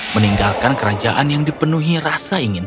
meninggalkan kerajaan yang dipenuhi rasa ingin